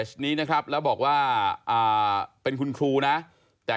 ก็ปูต้องเดินไปครูนาแล้วเข้าไปในรูที่อยู่ตรงครูนาไหม